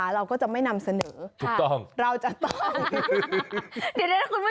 เราจะต้องมาปิดตา